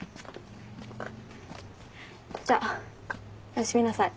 じゃおやすみなさい。